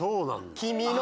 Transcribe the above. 「君の」。